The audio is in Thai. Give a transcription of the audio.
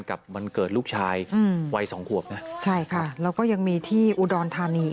กับวันเกิดลูกชายอืมวัยสองขวบนะใช่ค่ะแล้วก็ยังมีที่อุดรธานี